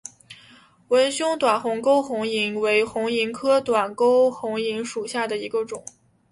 纹胸短沟红萤为红萤科短沟红萤属下的一个种。